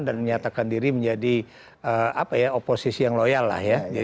dan menyatakan diri menjadi apa ya oposisi yang loyal lah ya